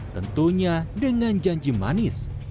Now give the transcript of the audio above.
tentunya dengan janji manis